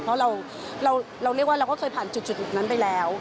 เพราะเราเรียกว่าเราก็เคยผ่านจุดนั้นไปแล้ว